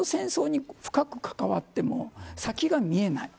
この戦争に深く関わってもう先が見えない。